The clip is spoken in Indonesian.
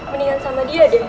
mendingan sama dia deh